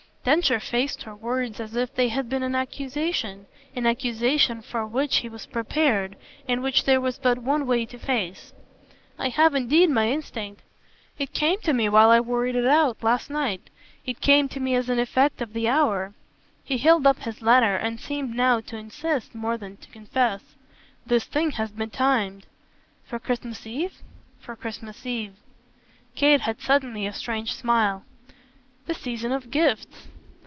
Densher faced her words as if they had been an accusation, an accusation for which he was prepared and which there was but one way to face. "I have indeed my instinct. It came to me, while I worried it out, last night. It came to me as an effect of the hour." He held up his letter and seemed now to insist more than to confess. "This thing had been timed." "For Christmas Eve?" "For Christmas Eve." Kate had suddenly a strange smile. "The season of gifts!"